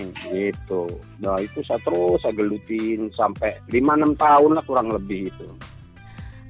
nah itu saya terus saya gelutin sampai lima enam tahun lah kurang lebih itu